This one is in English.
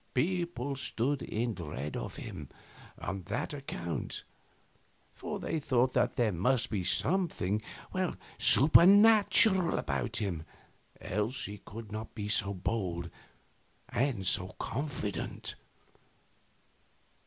People stood in deep dread of him on that account; for they thought that there must be something supernatural about him, else he could not be so bold and so confident.